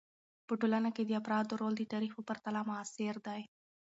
په ټولنه کې د افرادو رول د تاریخ په پرتله معاصر دی.